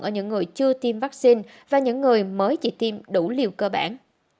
ở những người chưa tiêm vaccine và những người mới chỉ tiêm đủ liều cơ bản